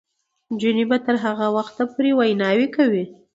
نجونې به تر هغه وخته پورې ویناوې کوي.